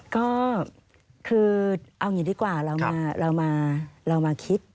ก็คือเอาอย่างนี้ดีกว่าเรามาคิด